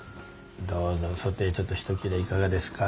どうぞソテーちょっとひと切れいかがですか？